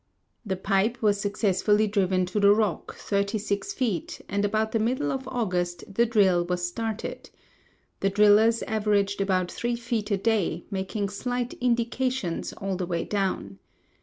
"The pipe was successfully driven to the rock, thirty six feet, and about the middle of August the drill was started. The drillers averaged about three feet a day, making slight 'indications' all the way down.